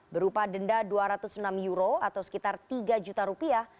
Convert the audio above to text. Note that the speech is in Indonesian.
berupa denda dua ratus enam euro atau sekitar tiga juta rupiah